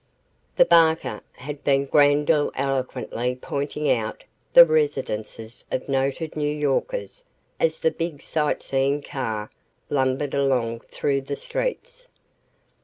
The barker had been grandiloquently pointing out the residences of noted New Yorkers as the big sightseeing car lumbered along through the streets.